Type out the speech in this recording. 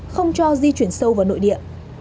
không cho di chuyển sâu vào nội địa